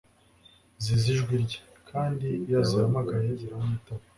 Zizi ijwi rye, kandi iyo azihamagaye ziramwitaba.